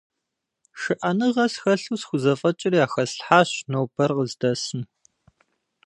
ШыӀэныгъэ схэлъу схузэфӀэкӀыр яхэслъхьащ нобэр къыздэсым.